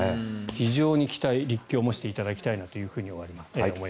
非常に期待、立教もしていただきたいなと思います。